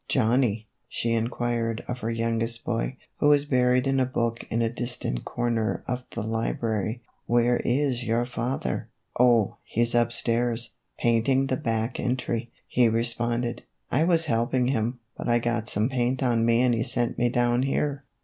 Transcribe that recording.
" Johnny," she inquired of her youngest boy, who was buried in a book in a distant corner of the library, " where is your father ?"" Oh, he 's up stairs, painting the back entry," he responded. " I was helping him, but I got some paint on me and he sent me down here."